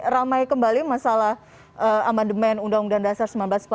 ramai kembali masalah amendement undang undang dasar seribu sembilan ratus empat puluh lima